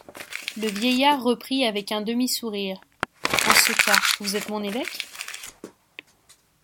Le vieillard reprit avec un demi-sourire: — En ce cas, vous êtes mon évêque?